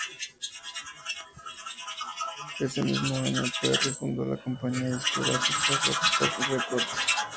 Ese mismo año, Perry fundó la compañía discográfica Rockstar Records.